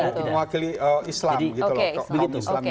tidak mewakili islam